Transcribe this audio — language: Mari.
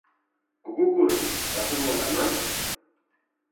— Кугу курык, патыр улат аман?